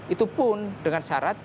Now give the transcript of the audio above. itu pun dengan syarat